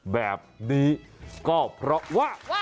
แบบนี้ก็เพราะว่า